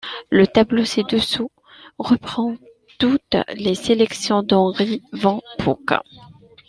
Le tableau ci-dessous reprend toutes les sélections d'Henri Van Poucke.